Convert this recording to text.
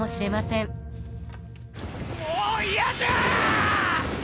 もう嫌じゃあ！